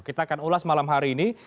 kita akan ulas malam hari ini